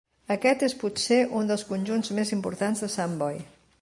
Aquest és potser un dels conjunts més importants de Sant Boi.